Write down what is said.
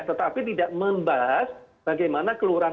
tetapi tidak membahas bagaimana kelurahan